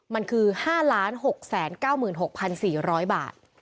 มันคือ๕๖๙๖๔๐๐บาท